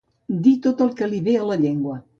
Dir tot el que li ve a la llengua.